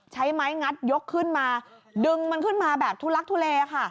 ใช้ไม้งัดยกขึ้นมาดึงมันขึ้นมาแบบทุลักทุเลค่ะ